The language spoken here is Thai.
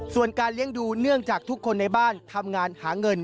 ส่วนการเลี้ยงดูเนื่องจากทุกคนในบ้านทำงานหาเงิน